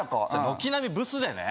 軒並みブスでね